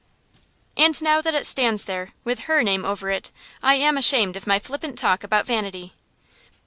And now that it stands there, with her name over it, I am ashamed of my flippant talk about vanity.